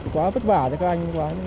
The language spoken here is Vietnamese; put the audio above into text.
quá vất vả cho các anh